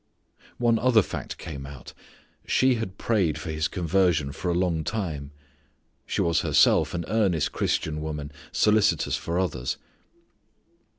One other fact came out. She had prayed for his conversion for a long time. She was herself an earnest Christian woman, solicitous for others.